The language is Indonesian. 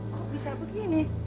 kok bisa begini